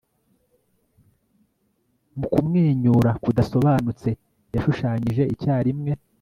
Mu kumwenyura kudasobanutse yashushanyije icyarimwe